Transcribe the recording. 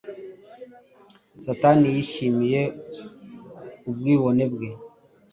Satani yishimiye ubwibone bwe.